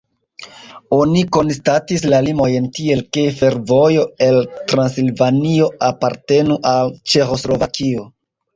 Oni konstatis la limojn tiel, ke fervojo el Transilvanio apartenu al Ĉeĥoslovakio.